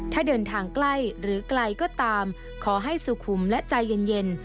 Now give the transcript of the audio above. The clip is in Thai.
ถ้าเดินทางใกล้หรือไกลก็ตามขอให้สุขุมและใจเย็น